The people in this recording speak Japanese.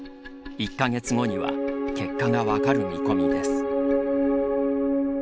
１か月後には結果が分かる見込みです。